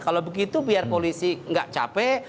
kalau begitu biar polisi nggak capek